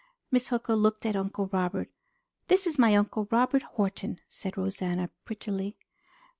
Miss Hooker looked at Uncle Robert. "This is my Uncle Robert Horton," said Rosanna prettily.